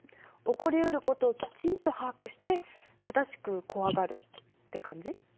起こりうることをきちんと把握して正しく怖がるって感じ？